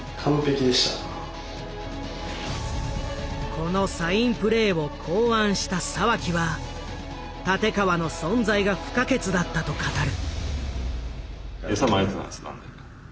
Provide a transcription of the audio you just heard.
このサインプレーを考案した沢木は立川の存在が不可欠だったと語る。